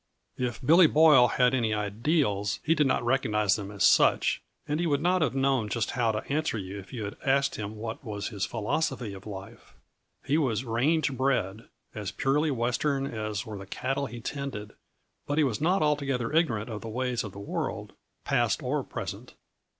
_ If Billy Boyle had any ideals he did not recognize them as such, and he would not have known just how to answer you if you had asked him what was his philosophy of life. He was range bred as purely Western as were the cattle he tended but he was not altogether ignorant of the ways of the world, past or present.